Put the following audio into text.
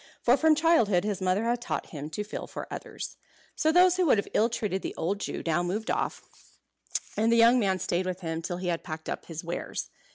For from childhood his mother had taught him to feel for others. So those who would have ill treated the old Jew now moved off, and the young man stayed with him till he had packed up his wares.